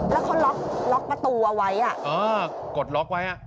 แล้วเขาล็อกล็อกประตูเอาไว้กดล็อกไว้อ่ะ